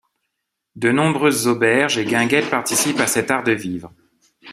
De nombreuses auberges et guinguettes participent à cet art de vivre.